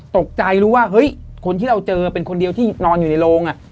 ตกใจรู้ว่าเฮ้ยคนที่เราเจอเป็นคนเดียวที่นอนอยู่ในโรง